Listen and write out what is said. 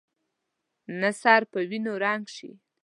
نه سر په وینو رنګ شي.